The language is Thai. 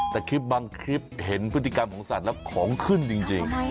แต่คลิปบางคลิปเห็นพฤติกรรมของสัตว์แล้วของขึ้นจริง